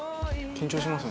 緊張します。